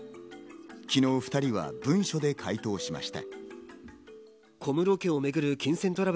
昨日２人は文書で回答しました。